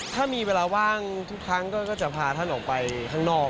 ถ้ามีเวลาว่างทุกครั้งก็จะพาท่านออกไปข้างนอก